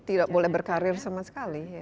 tidak boleh berkarir sama sekali